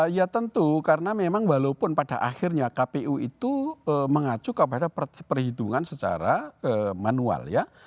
ya tentu karena memang walaupun pada akhirnya kpu itu mengacu kepada perhitungan secara manual ya